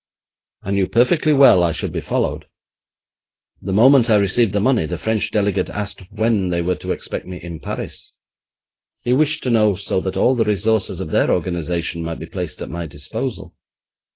I knew perfectly well I should be followed. The moment I received the money the French delegate asked when they were to expect me in Paris. He wished to know so that all the resources of their organisation might be placed at my disposal.